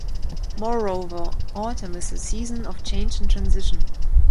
Moreover, autumn is a season of change and transition.